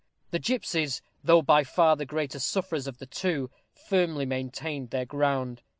The gipsies, though by far the greater sufferers of the two, firmly maintained their ground.